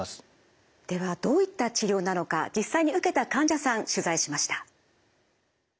ではどういった治療なのか実際に受けた患者さん取材しました。